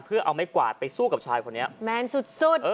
เพื่อเอาไม้กวาดไปสู้กับชายคนนี้แมนสุด